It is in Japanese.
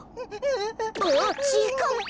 あっちぃかっぱ！